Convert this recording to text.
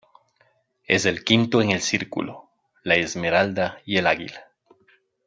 Es el quinto en el círculo, la esmeralda y el águila.